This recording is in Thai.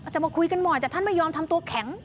จะมาคุยกันบ่อยแต่ท่านไม่ยอมทำตัวแข็ง